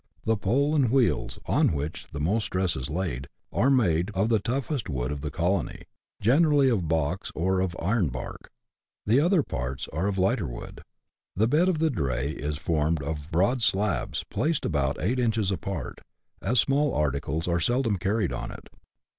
The pole and wheels, on which the most stress is laid, are made of the toughest wood of the colony, generally of box, or of " iron bark." The other parts are of lighter wood. The bed of the dray is formed of broad slabs, placed about eight inches apart, as small articles are seldom carried on it.